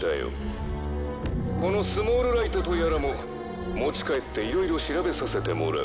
「このスモールライトとやらも持ち帰っていろいろ調べさせてもらう」